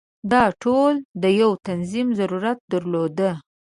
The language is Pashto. دا ټول د یو تنظیم ضرورت درلود.